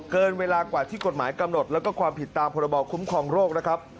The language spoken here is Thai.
เกินเวลากว่าที่กฎหมายกำหนดแล้วก็ความผิดตามพรบคุ้มครองโรคนะครับ